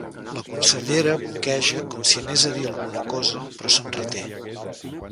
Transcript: La consellera boqueja, com si anés a dir alguna cosa, però se'n reté.